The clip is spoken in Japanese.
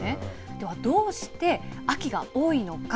ではどうして、秋が多いのか。